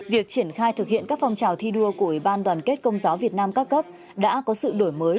việc triển khai thực hiện các phong trào thi đua của ủy ban đoàn kết công giáo việt nam các cấp đã có sự đổi mới